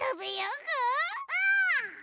うん！